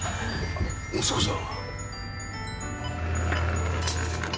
息子さんは？